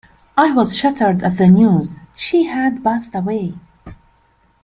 I was shattered at the news she had passed away.